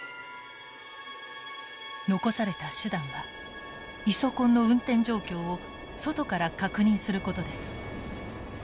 残された手段はイソコンの運転状況を外から確認することです。